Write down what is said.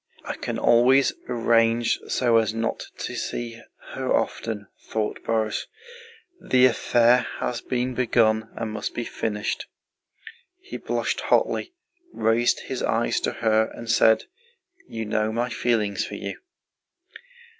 "I can always arrange so as not to see her often," thought Borís. "The affair has been begun and must be finished!" He blushed hotly, raised his eyes to hers, and said: "You know my feelings for you!"